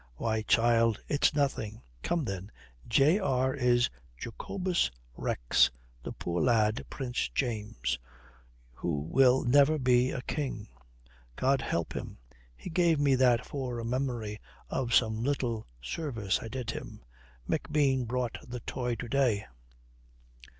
"Why, child, it's nothing. Come then J.R., it's Jacobus Rex, the poor lad, Prince James, who will never be a king, God help him. He gave me that for the memory of some little service I did him. McBean brought the toy to day."